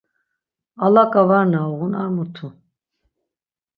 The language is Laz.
Alaǩa var na uğun ar mutu.